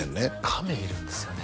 カメいるんですよね